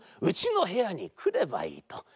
うちのへやにくればいいと。